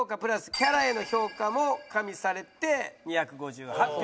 キャラへの評価も加味されて２５８票。